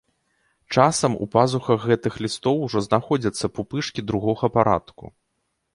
Часам у пазухах гэтых лістоў ужо знаходзяцца пупышкі другога парадку.